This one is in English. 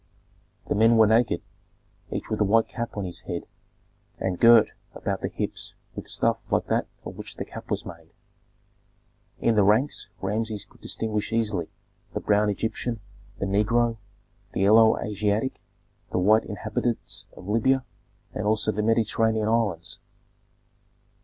The men were naked, each with a white cap on his head, and girt about the hips with stuff like that of which the cap was made. In the ranks Rameses could distinguish easily the brown Egyptian, the negro, the yellow Asiatic, the white inhabitants of Libya, and also the Mediterranean islands.